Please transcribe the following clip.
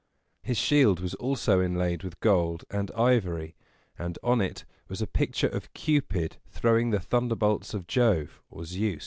His shield was also inlaid with gold and ivory, and on it was a picture of Cu´pid throwing the thunderbolts of Jove (Zeus).